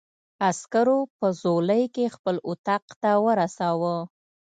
عسکرو په ځولۍ کې خپل اتاق ته ورساوه.